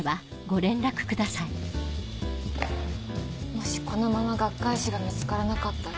もしこのまま学会誌が見つからなかったら。